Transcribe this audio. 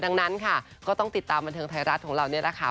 ดังนั้นค่ะก็ต้องติดตามบันเทิงไทยรัฐของเรานี่แหละค่ะ